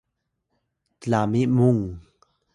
tlami mung